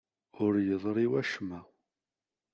Ur yeḍṛi wacemma.